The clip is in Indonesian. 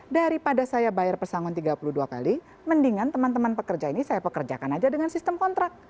daripada saya bayar pesangon tiga puluh dua kali mendingan teman teman pekerja ini saya pekerjakan aja dengan sistem kontrak